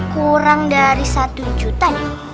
kurang dari satu juta